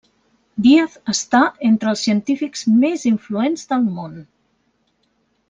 Díaz està entre els científics més influents del món.